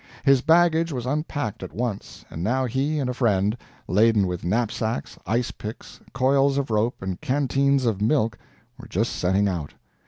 His baggage was unpacked at once, and now he and a friend, laden with knapsacks, ice axes, coils of rope, and canteens of milk, were just setting out.